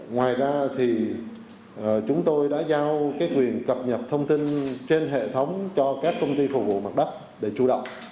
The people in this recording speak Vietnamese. ngoài ra thì chúng tôi đã giao quyền cập nhật thông tin trên hệ thống cho các công ty phục vụ mặt đất để chủ động